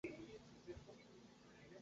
Su nombre es de origen desconocido.